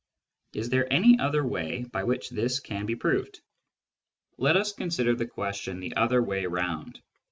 Is there any other way by which this can be proved ? Let us consider the question the other way round.